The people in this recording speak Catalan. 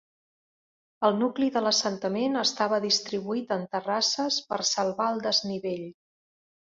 El nucli de l'assentament estava distribuït en terrasses per salvar el desnivell.